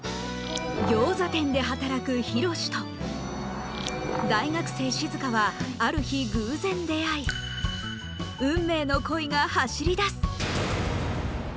ギョーザ店で働くヒロシと大学生しずかはある日偶然出会い運命の恋が走りだす